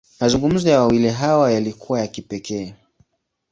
Mazungumzo ya wawili hawa, yalikuwa ya kipekee.